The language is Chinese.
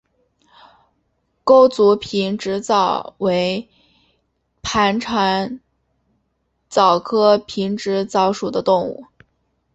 钩足平直蚤为盘肠蚤科平直蚤属的动物。